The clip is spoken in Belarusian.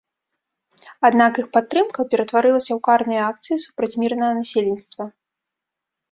Аднак іх падтрымка ператварылася ў карныя акцыі супраць мірнага насельніцтва.